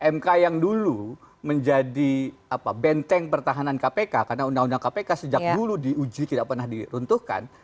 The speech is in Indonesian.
mk yang dulu menjadi benteng pertahanan kpk karena undang undang kpk sejak dulu diuji tidak pernah diruntuhkan